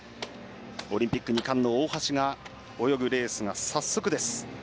オリンピック２冠の大橋が泳ぐレースが早速です。